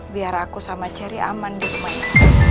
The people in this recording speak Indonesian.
biar aku sama cherry aman di rumah ini